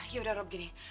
yaudah rob gini